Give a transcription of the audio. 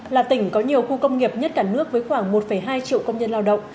là tỉnh có nhiều khu công nghiệp nhất cả nước với khoảng một hai triệu công nhân lao động